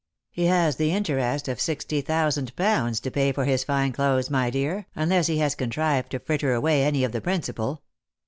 " He has the interest of sixty thousand pounds to pay for his fine clothes, my dear, unless he has contrived to fritter away any of the principal.